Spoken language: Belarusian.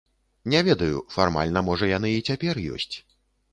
Не ведаю, фармальна можа яны і цяпер ёсць.